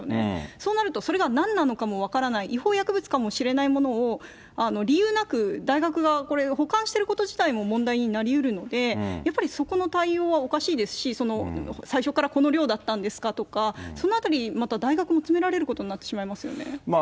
そうなると、それが何なのかも分からない、違法薬物かもしれないものを理由なく大学側がこれ、保管していること自体も問題になりうるので、やっぱりそこの対応はおかしいですし、最初からこの量だったんですかとか、そのあたり、また大学もつめられることになってしまいますよね。